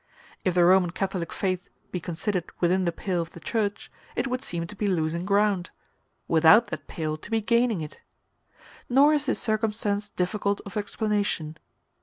If the Roman Catholic faith be considered within the pale of the church, it would seem to be losing ground; without that pale, to be gaining it. Nor is this circumstance difficult of explanation.